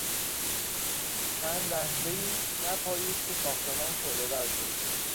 چند لحظهای نپایید که ساختمان شعلهور شد.